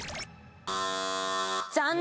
残念。